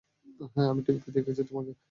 আমি টিভিতে দেখেছি তোমাকে।